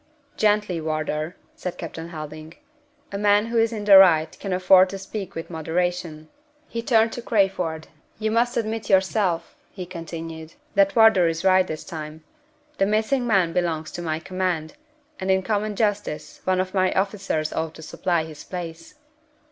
"Gently, Wardour," said Captain Helding. "A man who is in the right can afford to speak with moderation." He turned to Crayford. "You must admit yourself," he continued, "that Wardour is right this time. The missing man belongs to my command, and in common justice one of my officers ought to supply his place."